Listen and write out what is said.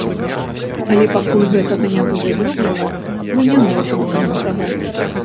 Але пакуль гэтага не будзе зроблена, мы не можам каментаваць.